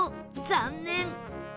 残念